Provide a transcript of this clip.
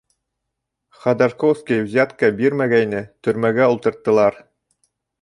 Ходорковский взятка бирмәгәйне, төрмәгә ултырттылар.